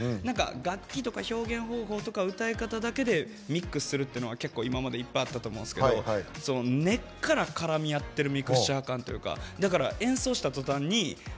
楽器とか表現方法とか歌い方だけでミックスするっていうのは結構、今までいっぱいあったと思うんですけど根っから絡みあってるミクスチャー感というか。